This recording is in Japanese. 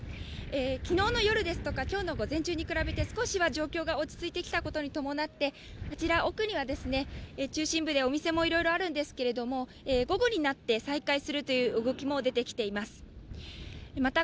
昨日の夜ですとか、今日の午前中に比べて、少しは状況が落ち着いてきてあちら奥には中心部にいろいろお店もあるんですけども午後になって再開するという動きも出てきています。